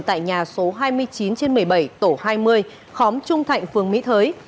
tại nhà số hai mươi chín trên một mươi bảy tổ hai mươi khóm trung thạnh phường mỹ thới